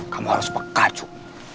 kamu harus peka cuk